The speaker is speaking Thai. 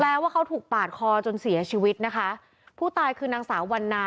ว่าเขาถูกปาดคอจนเสียชีวิตนะคะผู้ตายคือนางสาววันนา